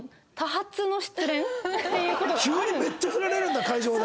急にめっちゃフラれるんだ会場で。